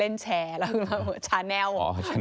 นี่มันเล่นแชแล้วคุณบอกว่าแชแนล